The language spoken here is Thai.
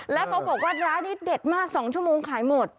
แล้วเขาบอกว่าร้านนี้เด็ดมาก๒ชั่วโมงขายหมด